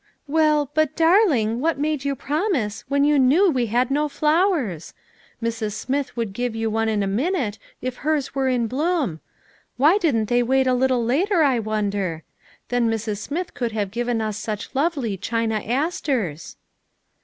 " Well, but, darling, what made you promise, when you knew we had no flowers ? Mrs. Smith would give you some in a minute if hers were in bloom. Why didn't they wait a little later, I wonder? Then Mrs. Smith could have given us such lovely china asters."